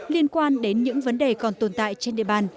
liên quan đến những vấn đề còn tồn tại trên địa bàn